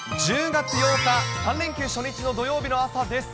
１０月８日、３連休初日の土曜日の朝です。